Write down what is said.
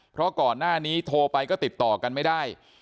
เพราะก่อนหน้านี้โทรไปก็ติดต่อกันไม่ได้